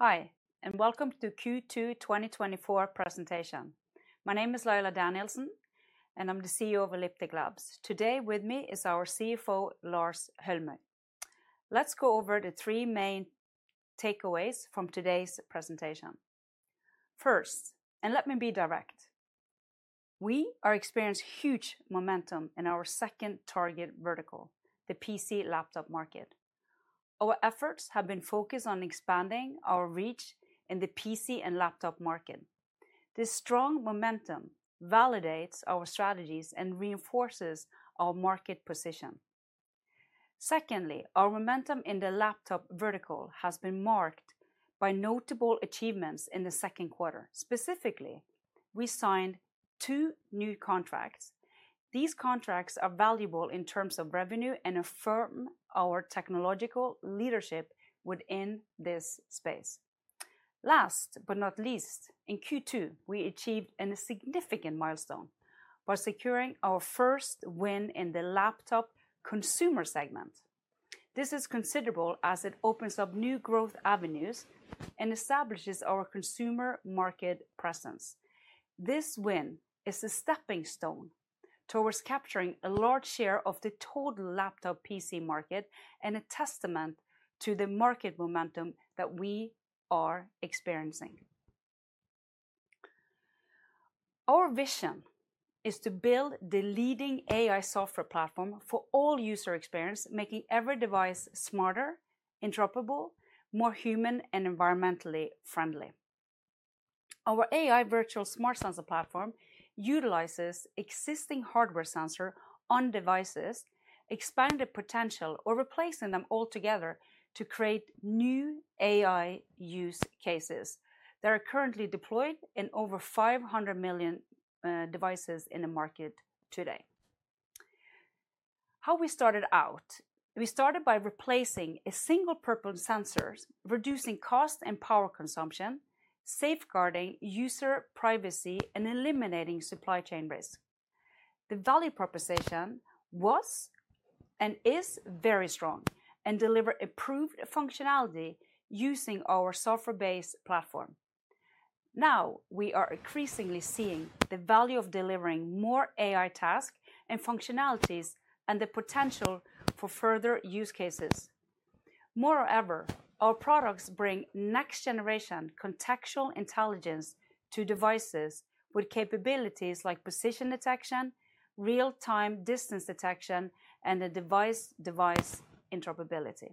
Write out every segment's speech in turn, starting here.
Hi, and welcome to the Q2 2024 presentation. My name is Laila Danielsen, and I'm the CEO of Elliptic Labs. Today, with me is our CFO, Lars Holmøy. Let's go over the three main takeaways from today's presentation. First, and let me be direct, we are experiencing huge momentum in our second target vertical, the PC laptop market. Our efforts have been focused on expanding our reach in the PC and laptop market. This strong momentum validates our strategies and reinforces our market position. Secondly, our momentum in the laptop vertical has been marked by notable achievements in the second quarter. Specifically, we signed two new contracts. These contracts are valuable in terms of revenue and affirm our technological leadership within this space. Last but not least, in Q2, we achieved a significant milestone by securing our first win in the laptop consumer segment. This is considerable as it opens up new growth avenues and establishes our consumer market presence. This win is a stepping stone towards capturing a large share of the total laptop PC market and a testament to the market momentum that we are experiencing. Our vision is to build the leading AI software platform for all user experience, making every device smarter, interoperable, more human, and environmentally friendly. Our AI Virtual Smart Sensor Platform utilizes existing hardware sensor on devices, expand the potential, or replacing them altogether to create new AI use cases that are currently deployed in over 500 million devices in the market today. How we started out? We started by replacing a single-purpose sensors, reducing cost and power consumption, safeguarding user privacy, and eliminating supply chain risk. The value proposition was and is very strong and deliver improved functionality using our software-based platform. Now, we are increasingly seeing the value of delivering more AI task and functionalities and the potential for further use cases. Moreover, our products bring next-generation contextual intelligence to devices with capabilities like position detection, real-time distance detection, and the device-device interoperability.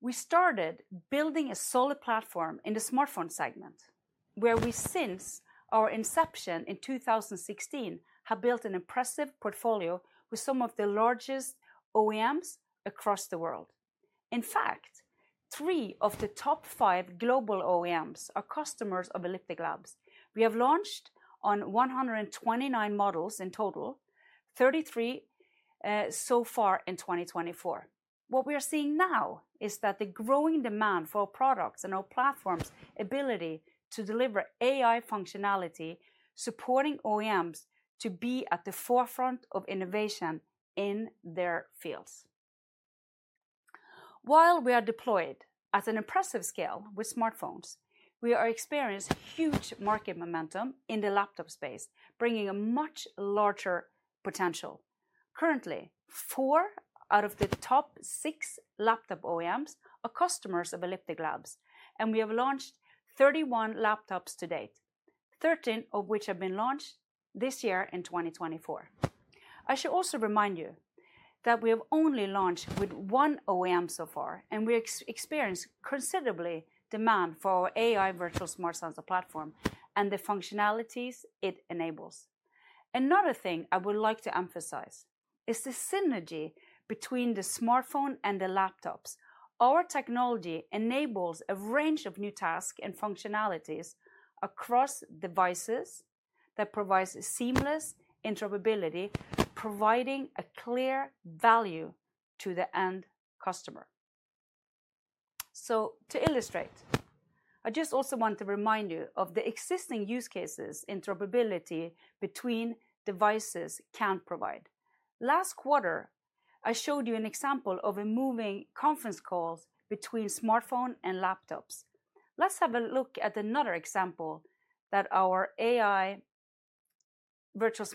We started building a solid platform in the smartphone segment, where we, since our inception in 2016, have built an impressive portfolio with some of the largest OEMs across the world. In fact, three of the top five global OEMs are customers of Elliptic Labs. We have launched on 129 models in total, 33 so far in 2024. What we are seeing now is that the growing demand for our products and our platform's ability to deliver AI functionality, supporting OEMs to be at the forefront of innovation in their fields. While we are deployed at an impressive scale with smartphones, we are experiencing huge market momentum in the laptop space, bringing a much larger potential. Currently, four out of the top six laptop OEMs are customers of Elliptic Labs, and we have launched 31 laptops to date, 13 of which have been launched this year in 2024. I should also remind you that we have only launched with one OEM so far, and we experience considerable demand for our AI Virtual Smart Sensor Platform and the functionalities it enables. Another thing I would like to emphasize is the synergy between the smartphone and the laptops. Our technology enables a range of new tasks and functionalities across devices that provides seamless interoperability, providing a clear value to the end customer. So to illustrate, I just also want to remind you of the existing use cases interoperability between devices can provide. Last quarter, I showed you an example of a moving conference calls between smartphone and laptops. Let's have a look at another example that our AI Virtual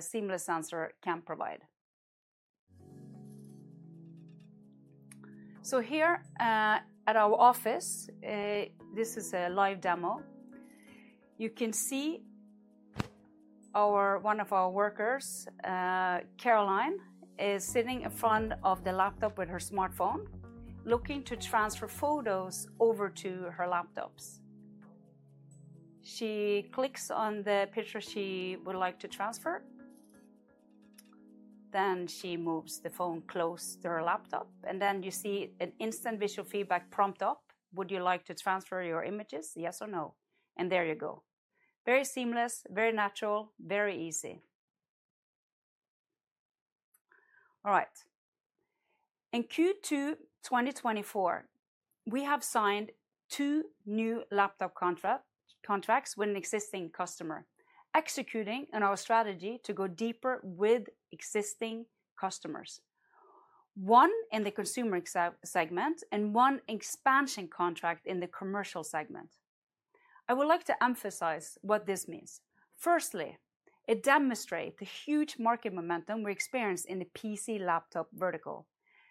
Seamless Sensor can provide. So here, at our office, this is a live demo. You can see one of our workers, Caroline, is sitting in front of the laptop with her smartphone, looking to transfer photos over to her laptops. She clicks on the picture she would like to transfer, then she moves the phone close to her laptop, and then you see an instant visual feedback prompt up. "Would you like to transfer your images? Yes or no?" And there you go. Very seamless, very natural, very easy. All right. In Q2 2024, we have signed two new laptop contracts with an existing customer, executing on our strategy to go deeper with existing customers. One in the consumer segment and one expansion contract in the commercial segment. I would like to emphasize what this means. Firstly, it demonstrate the huge market momentum we experienced in the PC laptop vertical.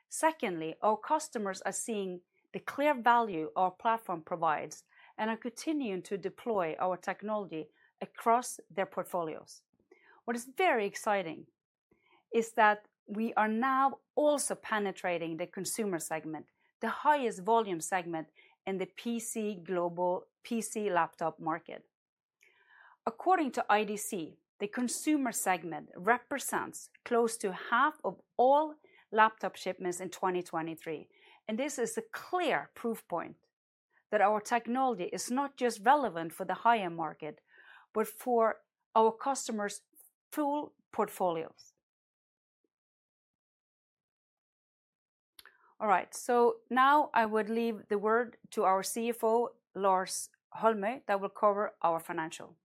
Secondly, our customers are seeing the clear value our platform provides and are continuing to deploy our technology across their portfolios. What is very exciting is that we are now also penetrating the consumer segment, the highest volume segment in the PC laptop market. According to IDC, the consumer segment represents close to half of all laptop shipments in 2023, and this is a clear proof point that our technology is not just relevant for the high-end market, but for our customers' full portfolios. All right, so now I would leave the word to our CFO, Lars Holmøy, that will cover our financial.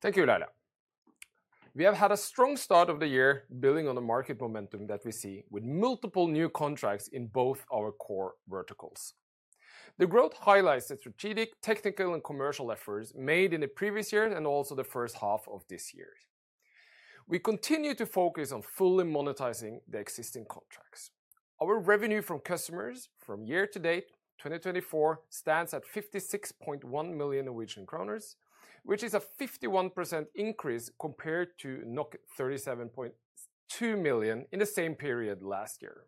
Thank you, Laila. We have had a strong start of the year building on the market momentum that we see with multiple new contracts in both our core verticals. The growth highlights the strategic, technical, and commercial efforts made in the previous year and also the first half of this year. We continue to focus on fully monetizing the existing contracts. Our revenue from customers from year to date, 2024, stands at 56.1 million Norwegian kroner, which is a 51% increase compared to 37.2 million in the same period last year.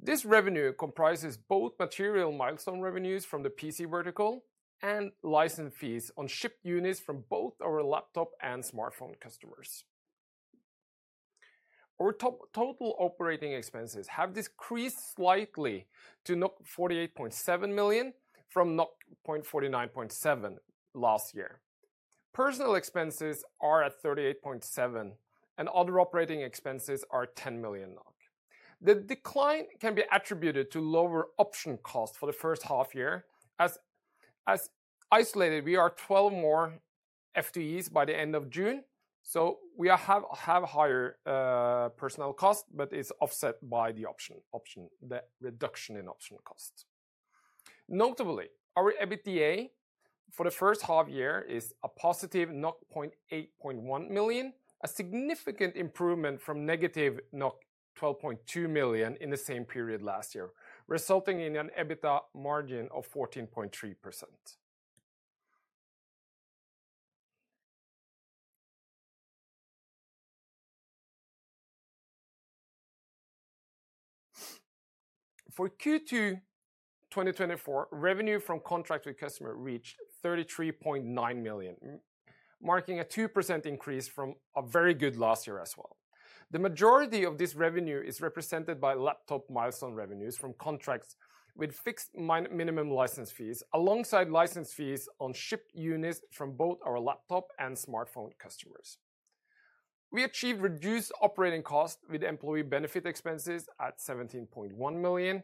This revenue comprises both material milestone revenues from the PC vertical and license fees on shipped units from both our laptop and smartphone customers. Our total operating expenses have decreased slightly to 48.7 million from 49.7 million last year. Personnel expenses are at 38.7 million, and other operating expenses are 10 million NOK. The decline can be attributed to lower option costs for the first half year. As isolated, we are 12 more FTEs by the end of June, so we have higher personnel costs, but it's offset by the option, the reduction in option cost. Notably, our EBITDA for the first half year is a positive 0.81 million, a significant improvement from negative 12.2 million in the same period last year, resulting in an EBITDA margin of 14.3%. For Q2 2024, revenue from contracts with customer reached 33.9 million, marking a 2% increase from a very good last year as well. The majority of this revenue is represented by laptop milestone revenues from contracts with fixed minimum license fees, alongside license fees on shipped units from both our laptop and smartphone customers. We achieved reduced operating costs with employee benefit expenses at 17.1 million,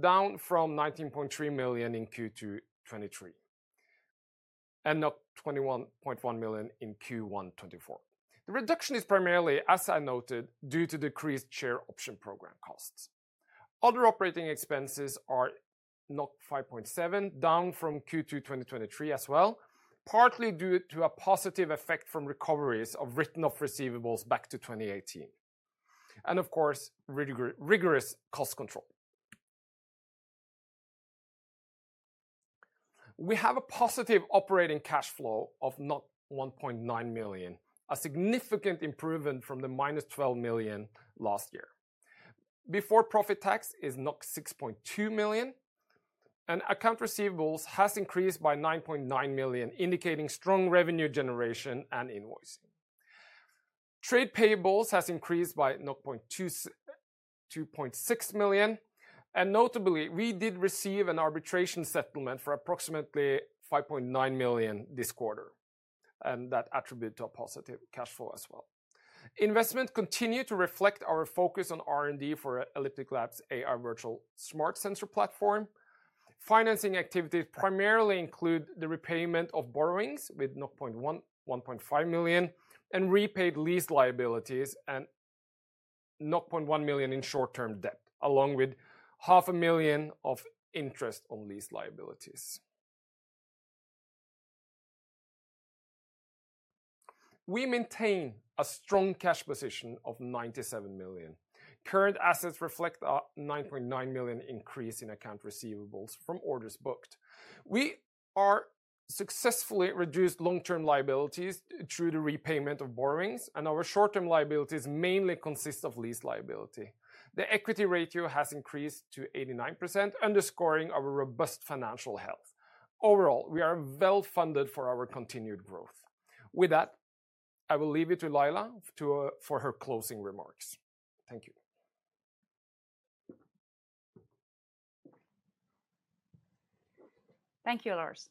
down from 19.3 million in Q2 2023, and 21.1 million in Q1 2024. The reduction is primarily, as I noted, due to decreased share option program costs. Other operating expenses are 5.7 million, down from Q2 2023 as well, partly due to a positive effect from recoveries of written-off receivables back to 2018, and of course, rigorous cost control. We have a positive operating cash flow of 1.9 million, a significant improvement from the -12 million last year. Before-profit tax is 6.2 million, and accounts receivable has increased by 9.9 million, indicating strong revenue generation and invoicing. Trade payables has increased by [Garbled/Missing Value], and notably, we did receive an arbitration settlement for approximately 5.9 million this quarter, and that attributed to a positive cash flow as well. Investments continue to reflect our focus on R&D for Elliptic Labs AI Virtual Smart Sensor Platform. Financing activities primarily include the repayment of borrowings, with [Garbled/Missing Value], and repaid lease liabilities, and 0.1 million in short-term debt, along with 0.5 million of interest on lease liabilities. We maintain a strong cash position of 97 million. Current assets reflect a 9.9 million increase in accounts receivable from orders booked. We are successfully reduced long-term liabilities through the repayment of borrowings, and our short-term liabilities mainly consist of lease liability. The equity ratio has increased to 89%, underscoring our robust financial health. Overall, we are well funded for our continued growth. With that, I will leave it to Laila to, for her closing remarks. Thank you.... Thank you, Lars.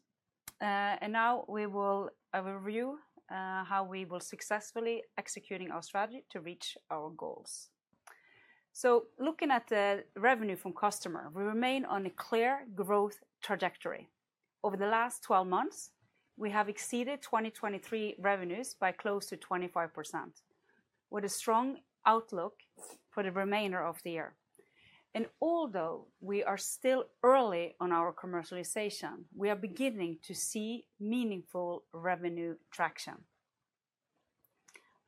And now we will overview how we will successfully executing our strategy to reach our goals. So looking at the revenue from customer, we remain on a clear growth trajectory. Over the last 12 months, we have exceeded 2023 revenues by close to 25%, with a strong outlook for the remainder of the year. And although we are still early on our commercialization, we are beginning to see meaningful revenue traction.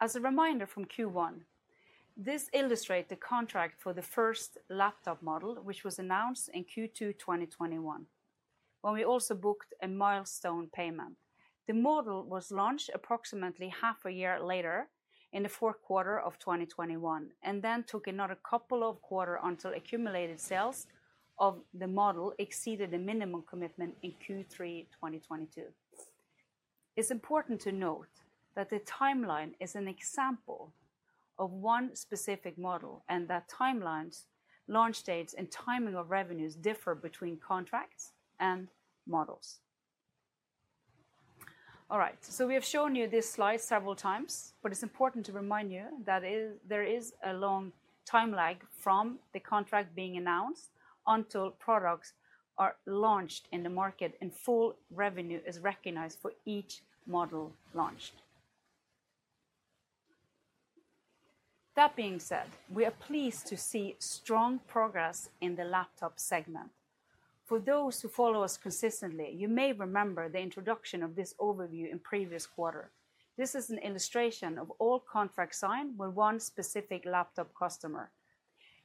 As a reminder from Q1, this illustrate the contract for the first laptop model, which was announced in Q2 2021, when we also booked a milestone payment. The model was launched approximately half a year later in the fourth quarter of 2021, and then took another couple of quarter until accumulated sales of the model exceeded the minimum commitment in Q3 2022. It's important to note that the timeline is an example of one specific model, and that timelines, launch dates, and timing of revenues differ between contracts and models. All right, so we have shown you this slide several times, but it's important to remind you that is, there is a long time lag from the contract being announced until products are launched in the market, and full revenue is recognized for each model launched. That being said, we are pleased to see strong progress in the laptop segment. For those who follow us consistently, you may remember the introduction of this overview in previous quarter. This is an illustration of all contracts signed with one specific laptop customer,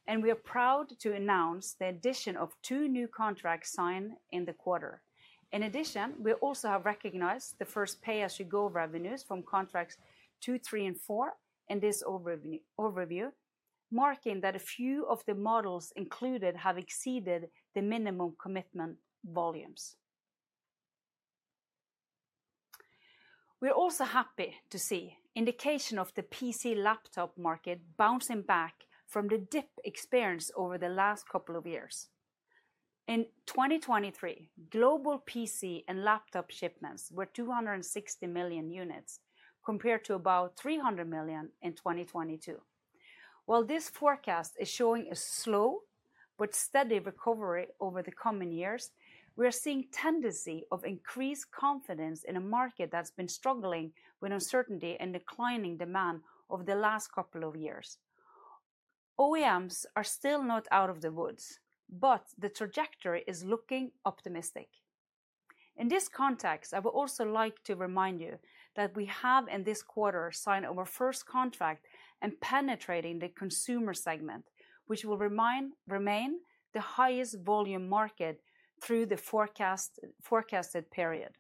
and we are proud to announce the addition of two new contracts signed in the quarter. In addition, we also have recognized the first pay-as-you-go revenues from contracts 2, 3, and 4 in this overview, marking that a few of the models included have exceeded the minimum commitment volumes. We are also happy to see indication of the PC laptop market bouncing back from the dip experienced over the last couple of years. In 2023, global PC and laptop shipments were 260 million units, compared to about 300 million in 2022. While this forecast is showing a slow but steady recovery over the coming years, we are seeing tendency of increased confidence in a market that's been struggling with uncertainty and declining demand over the last couple of years. OEMs are still not out of the woods, but the trajectory is looking optimistic. In this context, I would also like to remind you that we have, in this quarter, signed our first contract in penetrating the consumer segment, which will remain the highest volume market through the forecasted period.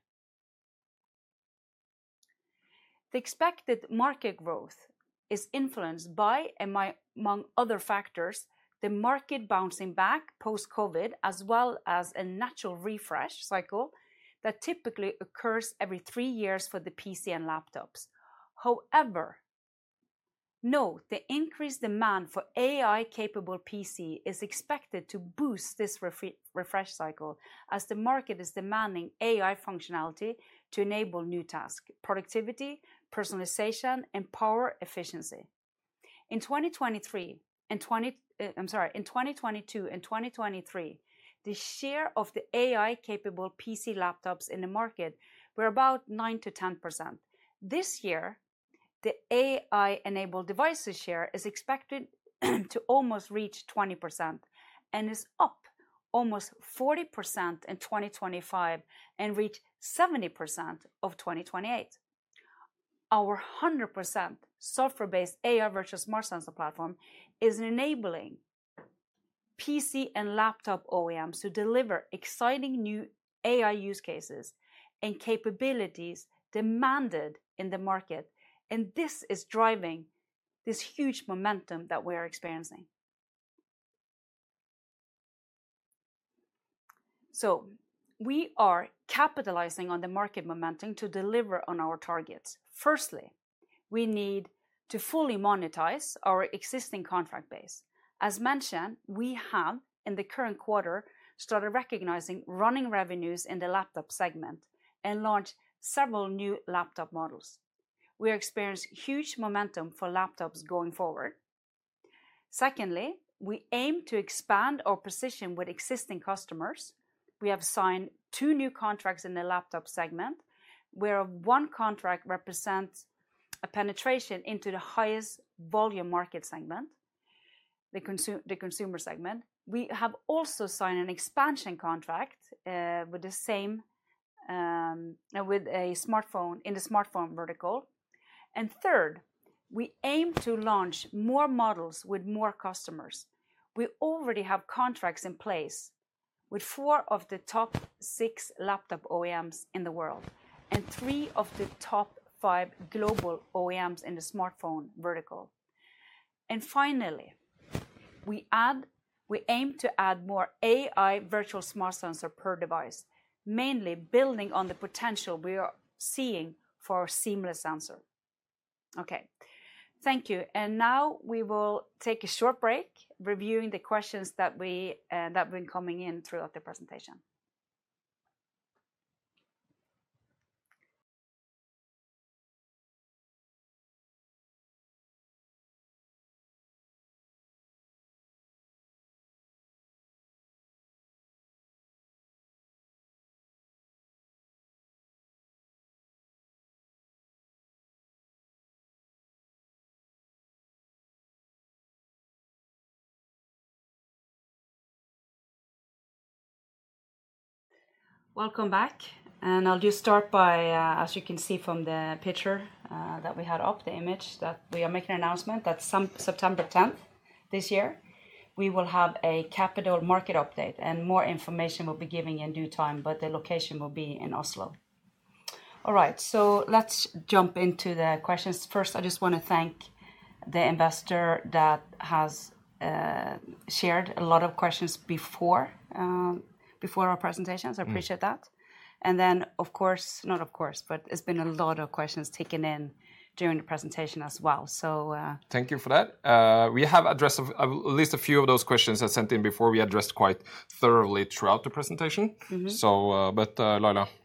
The expected market growth is influenced by, among other factors, the market bouncing back post-COVID, as well as a natural refresh cycle that typically occurs every 3 years for the PC and laptops. However, note the increased demand for AI-capable PC is expected to boost this refresh cycle, as the market is demanding AI functionality to enable new task, productivity, personalization, and power efficiency. In 2022 and 2023, the share of the AI-capable PC laptops in the market were about 9%-10%. This year, the AI-enabled devices share is expected to almost reach 20%, and is up almost 40% in 2025, and reach 70% of 2028. Our 100% software-based AI Virtual Smart Sensor Platform is enabling PC and laptop OEMs to deliver exciting new AI use cases and capabilities demanded in the market, and this is driving this huge momentum that we are experiencing. So we are capitalizing on the market momentum to deliver on our targets. Firstly, we need to fully monetize our existing contract base. As mentioned, we have, in the current quarter, started recognizing running revenues in the laptop segment and launched several new laptop models. We experience huge momentum for laptops going forward. Secondly, we aim to expand our position with existing customers. We have signed two new contracts in the laptop segment, where one contract represents a penetration into the highest volume market segment, the consumer segment. We have also signed an expansion contract with the same, with a smartphone, in the smartphone vertical. And third, we aim to launch more models with more customers. We already have contracts in place with four of the top six laptop OEMs in the world, and three of the top five global OEMs in the smartphone vertical. And finally, we aim to add more AI Virtual Smart Sensor per device, mainly building on the potential we are seeing for our Seamless Sensor... Okay, thank you. And now we will take a short break, reviewing the questions that we, that have been coming in throughout the presentation. Welcome back, and I'll just start by, as you can see from the picture, that we had up, the image, that we are making an announcement that September 10th, this year, we will have a capital market update, and more information will be giving in due time, but the location will be in Oslo. All right, so let's jump into the questions. First, I just want to thank the investor that has, shared a lot of questions before, before our presentations. Mm. I appreciate that. And then, of course, not of course, but it's been a lot of questions taken in during the presentation as well. So, Thank you for that. We have addressed at least a few of those questions that sent in before we addressed quite thoroughly throughout the presentation. Mm-hmm. So, but, Laila- Yeah.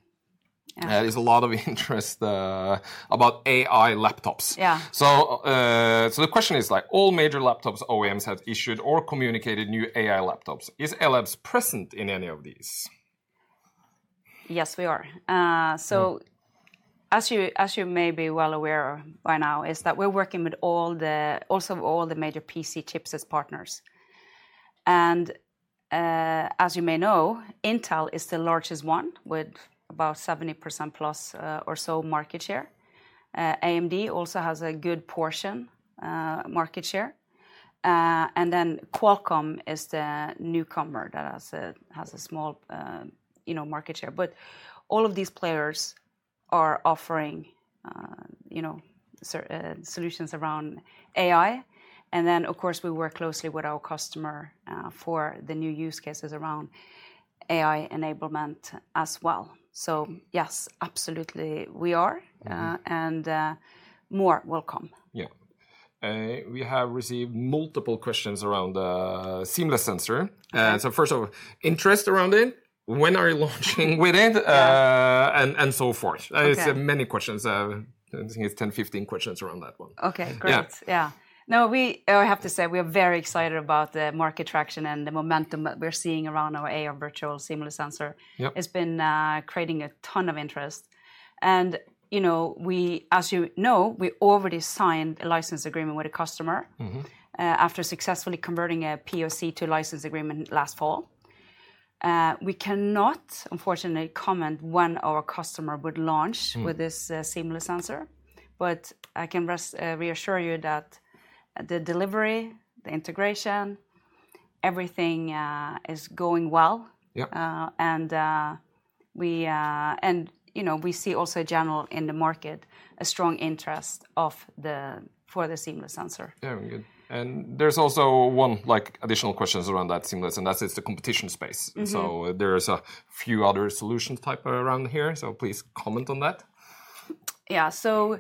There's a lot of interest about AI laptops. Yeah. So the question is, like, "All major laptop OEMs have issued or communicated new AI laptops. Is Labs present in any of these? Yes, we are. Mm... so as you, as you may be well aware by now, is that we're working with all the, also all the major PC chips as partners. And, as you may know, Intel is the largest one, with about 70%+ or so market share. AMD also has a good portion, market share. And then Qualcomm is the newcomer that has a small, you know, market share. But all of these players are offering, you know, solutions around AI. And then, of course, we work closely with our customer, for the new use cases around AI enablement as well. So yes, absolutely we are. Mm. More will come. Yeah. We have received multiple questions around Seamless Sensor. Okay. So first of all, interest around it, when are you launching with it? Yeah. And so forth. Okay. It's many questions. I think it's 10, 15 questions around that one. Okay, great. Yeah. Yeah. No, we... I have to say, we are very excited about the market traction and the momentum that we're seeing around our AI Virtual Seamless Sensor. Yep. It's been creating a ton of interest. And, you know, we, as you know, we already signed a license agreement with a customer- Mm-hmm... after successfully converting a POC to license agreement last fall. We cannot, unfortunately, comment when our customer would launch- Mm... with this Seamless Sensor, but I can reassure you that the delivery, the integration, everything, is going well. Yep. You know, we see also generally in the market a strong interest for the Seamless Sensor. Yeah, good. And there's also one, like, additional questions around that Seamless, and that is the competition space. Mm-hmm. There is a few other solution type around here, so please comment on that. Yeah, so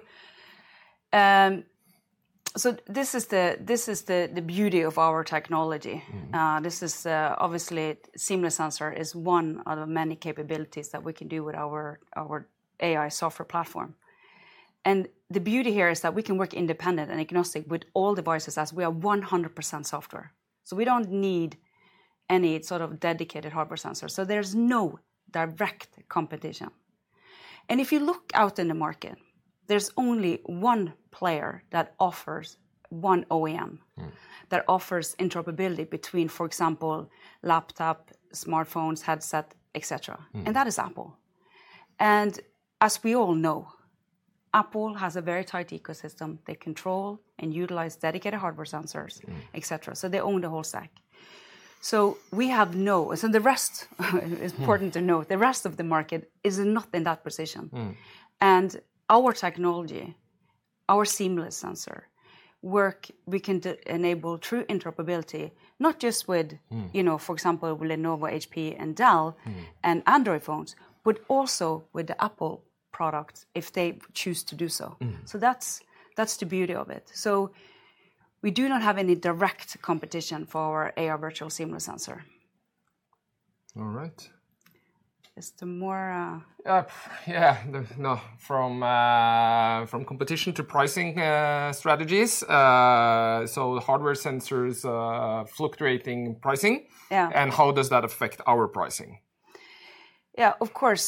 this is the beauty of our technology. Mm-hmm. This is obviously Seamless Sensor is one of the many capabilities that we can do with our AI software platform. And the beauty here is that we can work independent and agnostic with all devices, as we are 100% software. So we don't need any sort of dedicated hardware sensor, so there's no direct competition. And if you look out in the market, there's only one player that offers one OEM- Mm... that offers interoperability between, for example, laptop, smartphones, headset, et cetera. Mm. That is Apple. As we all know, Apple has a very tight ecosystem. They control and utilize dedicated hardware sensors- Mm... et cetera, so they own the whole stack. So we have. So the rest, Mm... it's important to note, the rest of the market is not in that position. Mm. Our technology, our Seamless Sensor, we can enable true interoperability, not just with- Mm... you know, for example, Lenovo, HP, and Dell- Mm... and Android phones, but also with the Apple products, if they choose to do so. Mm-hmm. So that's, that's the beauty of it. So we do not have any direct competition for our AI Virtual Seamless Sensor. All right. Is there more? Yeah, no, from competition to pricing strategies. So the hardware sensors fluctuating pricing- Yeah... and how does that affect our pricing? Yeah, of course,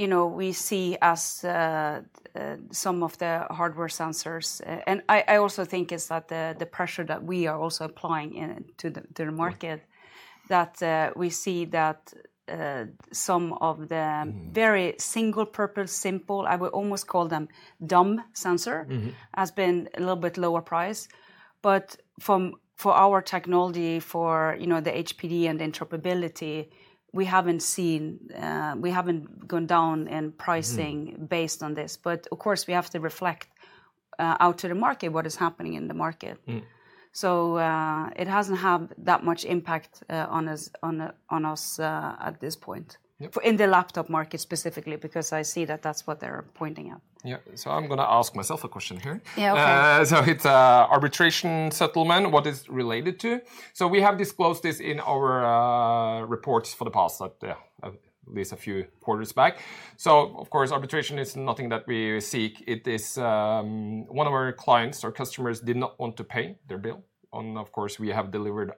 you know, we see as some of the hardware sensors. And I also think it's that the pressure that we are also applying into the market. Okay... that, we see that, some of the- Mm... every single-purpose, simple, I would almost call them dumb sensor- Mm-hmm... has been a little bit lower price. But from, for our technology, for, you know, the HPD and interoperability, we haven't seen, we haven't gone down in pricing- Mm... based on this. But of course, we have to reflect out to the market what is happening in the market. Mm. So, it hasn't had that much impact on us at this point. Yep. In the laptop market specifically, because I see that that's what they're pointing out. Yeah. So I'm gonna ask myself a question here. Yeah, okay. So it's arbitration settlement, what it's related to? So we have disclosed this in our reports for the past at least a few quarters back. So of course, arbitration is nothing that we seek. It is one of our clients, our customers, did not want to pay their bill, and of course, we have delivered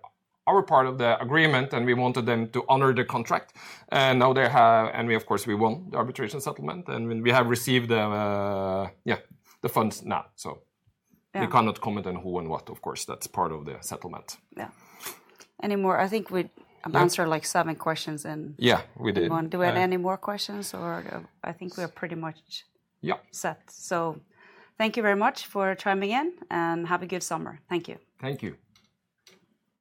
our part of the agreement, and we wanted them to honor the contract. And now they have... And we, of course, we won the arbitration settlement, and we have received the funds now, so- Yeah... we cannot comment on who and what, of course, that's part of the settlement. Yeah. Any more? I think we- Yeah... answered, like, 7 questions, and- Yeah, we did.... move on. Do we have any more questions, or I think we're pretty much... Yeah... set. So thank you very much for chiming in, and have a good summer. Thank you. Thank you.